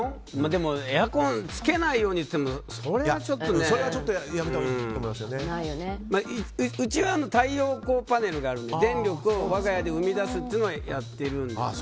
でもエアコンつけないようにって言ってもそれはやめたほうがうちは太陽光パネルがあるので電力を我が家で生み出すのはやってるんですが。